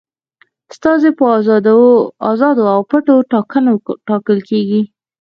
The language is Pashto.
استازي په آزادو او پټو ټاکنو ټاکل کیږي.